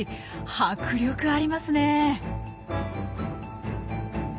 迫力ありますね。